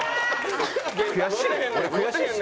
悔しいよ。